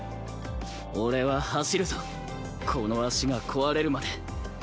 俺は走るぞこの足が壊れるまで。